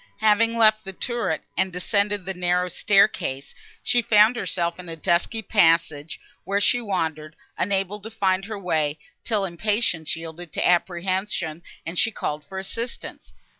Having left the turret, and descended the narrow staircase, she found herself in a dusky passage, where she wandered, unable to find her way, till impatience yielded to apprehension, and she called for assistance.